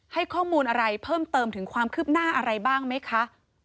ให้ข้อมูลอะไรเพิ่มเติมถึงความคืบหน้าอะไรบ้างไหมคะ